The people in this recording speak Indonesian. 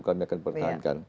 kami akan perhatikan